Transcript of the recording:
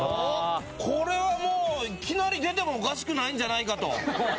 これはもう、いきなり出てもおかしくないんじゃないかと。